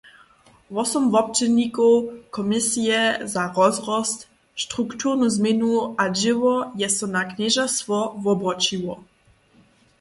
Wosom wobdźělnikow komisije za rozrost, strukturnu změnu a dźěło je so na knježerstwo wobroćiło.